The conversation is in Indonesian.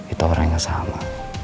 itu orang yang sama